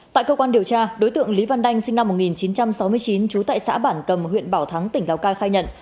tại cơ quan điều tra đối tượng lý văn đanh sinh năm một nghìn chín trăm sáu mươi chín trú tại xã bản cầm huyện bảo thắng tỉnh lào cai khai nhận